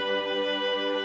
pesek air papi